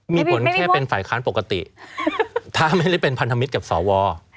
มีผลแค่เป็นฝ่ายค้านปกติถ้าไม่ได้เป็นพันธมิตรกับสว